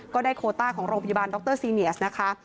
ก็ได้โคต้าของโรงพยาบาลดรซีเนียสนะคะ